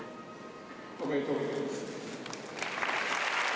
おめでとうございます。